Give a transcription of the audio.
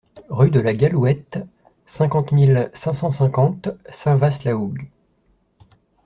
Rue de la Gallouette, cinquante mille cinq cent cinquante Saint-Vaast-la-Hougue